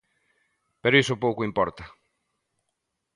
Pero iso pouco importa.